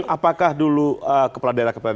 apakah dulu kepala daerah kepala